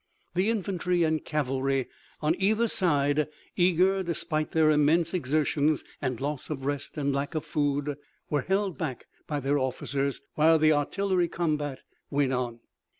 The infantry and cavalry on either side, eager despite their immense exertions and loss of rest and lack of food, were held back by their officers, while the artillery combat went on.